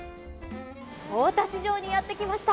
大田市場にやってきました。